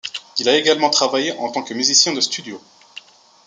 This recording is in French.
Il a également travaillé en tant que musicien de studio.